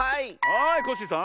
はいコッシーさん。